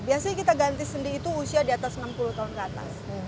biasanya kita ganti sendi itu usia di atas enam puluh tahun ke atas